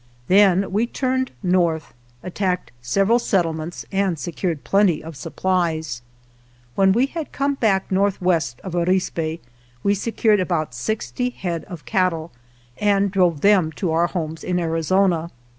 Then we turned north, attacked several settlements, and secured plenty of supplies. When we had come back northwest of Arispe we se cured about sixty head of cattle, and drove them to our homes in Arizona.